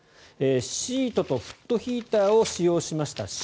シートとフットヒーターを使用しました、Ｃ。